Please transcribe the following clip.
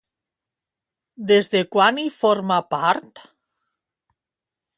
Des de quan hi forma part?